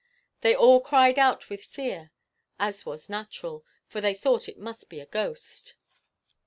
They all cried out with fear, as was natural, for they thought it must be a ghost."